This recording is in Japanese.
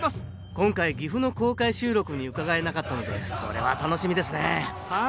今回岐阜の公開収録に伺えなかったのでそれは楽しみですねはい。